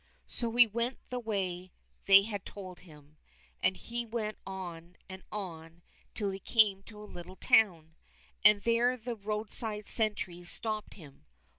So he went the way they had told him, and he went on and on till he came to a little town, and there the roadside sentries stopped him.